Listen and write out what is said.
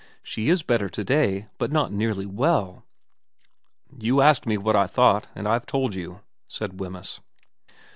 ' She is better to day, but not nearly well.' 342 VERA * You asked me what I thought, and I've told you,' said Wemyss.